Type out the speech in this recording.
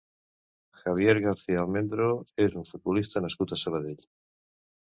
Javier Garcia Almendro és un futbolista nascut a Sabadell.